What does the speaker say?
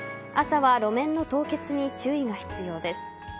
朝は路面の凍結に注意が必要です。